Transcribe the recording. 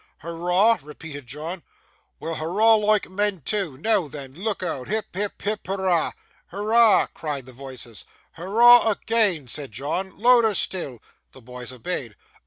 'Hurrah?' repeated John. 'Weel, hurrah loike men too. Noo then, look out. Hip hip, hip hurrah!' 'Hurrah!' cried the voices. 'Hurrah! Agean;' said John. 'Looder still.' The boys obeyed.